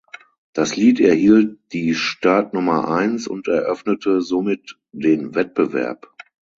Das Lied erhielt die Startnummer eins und eröffnete somit den Wettbewerb.